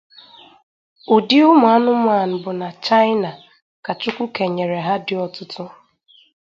Ụdị ụmụanụmanụ bụ na Chaịna ka Chukwu kenyere ha dị ọtụtụ.